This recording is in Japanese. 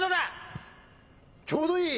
ちょうどいい。